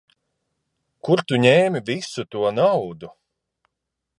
Kur tu ņēmi visu to naudu?